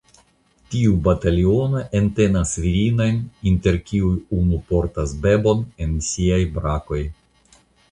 Tiu bataliono entenas virinojn inter kiuj unu portas bebon en siaj brakoj.